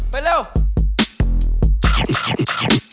ไปเร็ว